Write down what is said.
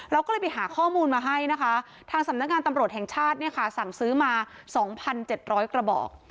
เราก็เลยไปหาข้อมูลมาให้นะคะทางสำนักงานตำรวจแห่งชาติเนี่ยค่ะสั่งซื้อมา๒๗๐๐กระบอก